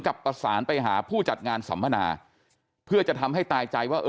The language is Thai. ประสานไปหาผู้จัดงานสัมมนาเพื่อจะทำให้ตายใจว่าเออ